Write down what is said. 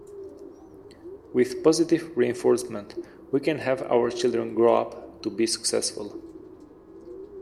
With positive reinforcement, we can have our children grow up to be successful.